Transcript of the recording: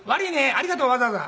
ありがとうわざわざ」